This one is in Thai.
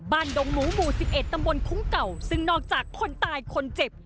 ดงหมูหมู่๑๑ตำบลคุ้งเก่าซึ่งนอกจากคนตายคนเจ็บ